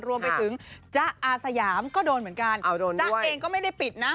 รวมไปถึงจ๊ะอาสยามก็โดนเหมือนกันจ๊ะเองก็ไม่ได้ปิดนะ